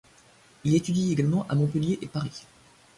Il étudie également à Montpellier et Paris.